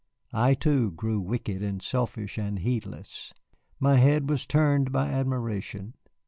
I, too, grew wicked and selfish and heedless. My head was turned by admiration.